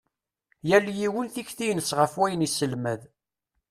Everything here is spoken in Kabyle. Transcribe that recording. Yal yiwen tikti-ines ɣef wayen iselmad.